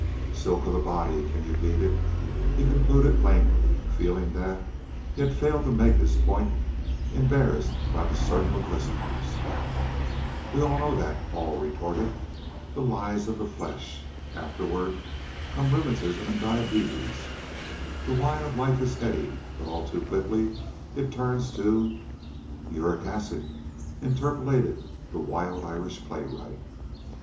"Silk of the body, can you beat it?" he concluded lamely, feeling that he had failed to make his point, embarrassed by the circle of listeners. "We know all that," Hall retorted. "The lies of the flesh. Afterward come rheumatism and diabetes. The wine of life is heady, but all too quickly it turns to " "Uric acid," interpolated the wild Irish playwright.